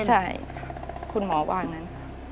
ใช่คุณหมอว่างั้น